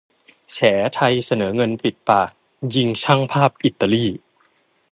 แฉไทยเสนอเงิน ปิดปาก! ยิงช่างภาพอิตาลี